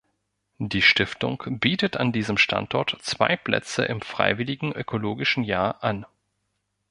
Die Stiftung bietet an diesem Standort zwei Plätze im Freiwilligen Ökologischen Jahr an.